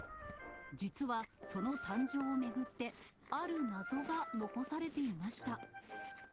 実はその誕生を巡って、ある謎が残されていました。